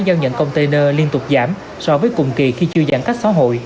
giao nhận container liên tục giảm so với cùng kỳ khi chưa giãn cách xã hội